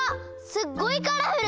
すっごいカラフル！